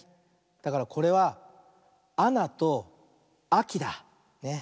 だからこれは「あな」と「あき」だ。ね。